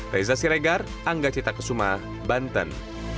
reza siregar angga cita kesuma banten